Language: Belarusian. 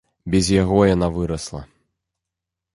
Без яго яна вырасла.